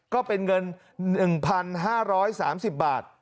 ก็เป็นเงิน๑๕๓๐บาท